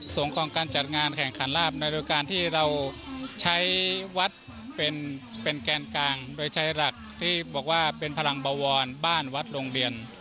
ของการจัดงานแข่งขันลาบในโดยการที่เราใช้วัดเป็นแกนกลางโดยใช้หลักที่บอกว่าเป็นพลังบวรบ้านวัดโรงเรียน